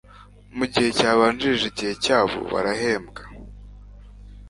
mu gihe cyabanjirije igihe, cyabo barahembwa